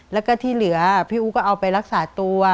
แล้วก็ที่เหลือพี่อู๋ก็เอาไปรักษาตัว